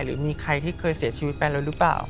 หรือมีใครที่เคยเสียชีวิตไปแล้วหรือเปล่า